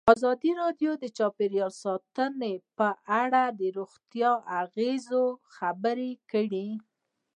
ازادي راډیو د چاپیریال ساتنه په اړه د روغتیایي اغېزو خبره کړې.